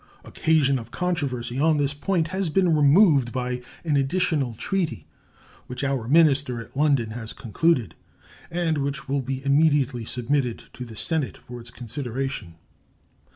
Occasion of controversy on this point has been removed by an additional treaty, which our minister at London has concluded, and which will be immediately submitted to the Senate for its consideration.